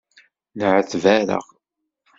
Nεetbareɣ.